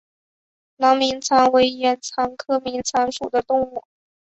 囊明蚕为眼蚕科明蚕属的动物。